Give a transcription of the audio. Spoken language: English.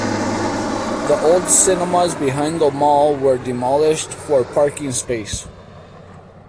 The old cinemas behind the mall were demolished for parking space.